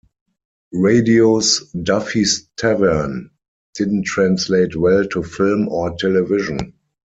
Radio's "Duffy's Tavern" didn't translate well to film or television.